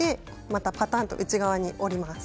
またぱたんと内側に折ります。